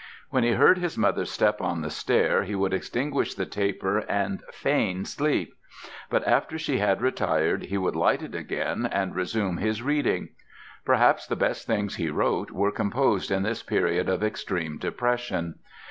When he heard his mother's step on the stair he would extinguish the taper and feign sleep; but after she had retired he would light it again and resume his reading. Perhaps the best things he wrote were composed in this period of extreme depression.